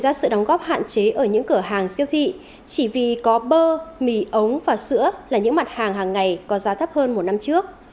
báo cáo chỉ ra sự đóng góp hạn chế ở những cửa hàng siêu thị chỉ vì có bơ mì ống và sữa là những mặt hàng hàng ngày có giá thấp hơn một năm trước